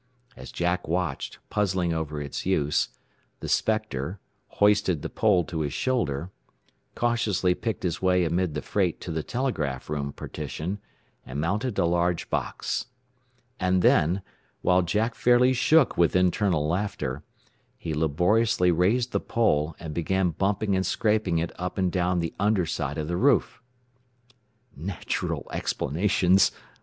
As Jack watched, puzzling over its use, the "spectre" hoisted the pole to his shoulder, cautiously picked his way amid the freight to the telegraph room partition, and mounted a large box. And then, while Jack fairly shook with internal laughter, he laboriously raised the pole, and began bumping and scraping it up and down the under side of the roof. "Natural explanations!"